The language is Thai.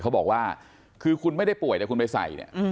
เขาบอกว่าคือคุณไม่ได้ป่วยแต่คุณไปใส่เนี่ย